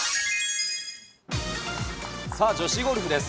さあ、女子ゴルフです。